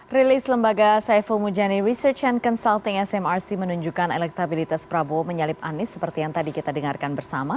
rilis lembaga saiful mujani research and consulting smrc menunjukkan elektabilitas prabowo menyalip anis seperti yang tadi kita dengarkan bersama